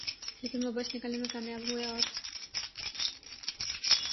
لیکن وہ بچ نکلنے میں کامیاب ہوئے اور